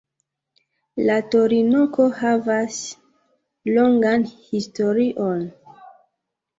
La torinoko havas longan historion.